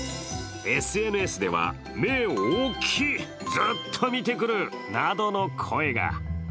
ＳＮＳでは、目おっきい、ずっと見てくるなどの声が。